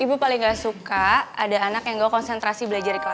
ibu paling gak suka ada anak yang gak konsentrasi belajar di kelas